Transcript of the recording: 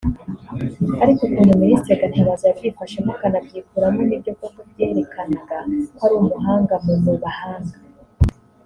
Ariko ukuntu Ministre Gatabazi yabyifashemo akanabyikuramo ni byo koko byerekanaga ko ari umuhanga mu mu bahanga